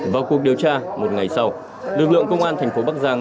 vào cuộc điều tra một ngày sau lực lượng công an thành phố bắc giang